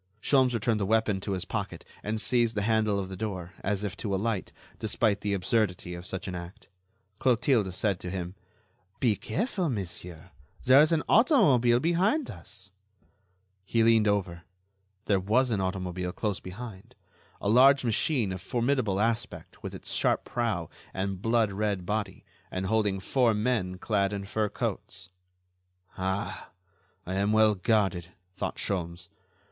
Sholmes returned the weapon to his pocket and seized the handle of the door, as if to alight, despite the absurdity of such an act. Clotilde said to him: "Be careful, monsieur, there is an automobile behind us." He leaned over. There was an automobile close behind; a large machine of formidable aspect with its sharp prow and blood red body, and holding four men clad in fur coats. "Ah! I am well guarded," thought Sholmes.